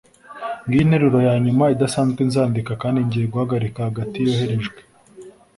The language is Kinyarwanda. Ngiyo interuro yanyuma idasanzwe nzandika kandi ngiye guhagarika hagati yoherejwe